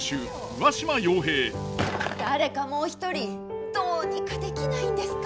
誰かもう一人どうにかできないんですか？